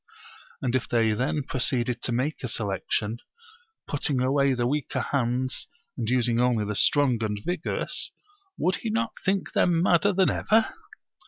And if they then proceeded to make a selection, putting away the weaker hands, and using only the strong and vigorous, would he not think them madder than ever?